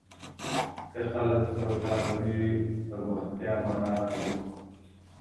که خلګ سوکاله نه وي، پرمختيا مانا نلري.